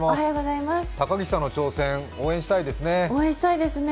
高岸さんの挑戦、応援したいですね